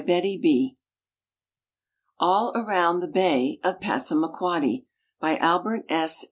French ALL AROUND THE BAY OF PASSAMAQUODDY By Albert S.